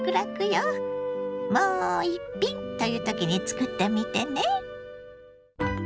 「もう一品」という時に作ってみてね。